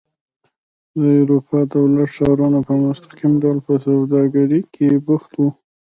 د یوروبا دولت ښارونه په مستقیم ډول په سوداګرۍ کې بوخت وو.